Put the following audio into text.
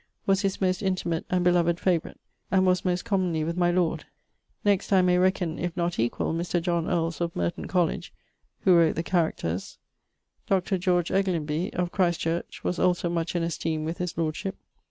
was his most intimate and beloved favourite, and was most commonly with my lord; next I may reckon (if not equall) Mr. John Earles, of Merton College (who wrote the Characters); Dr. Eglionby, of Ch. Ch., was also much in esteem with his lordship.